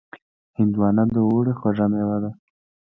هندوانه د اوړي خوږ مېوه ده.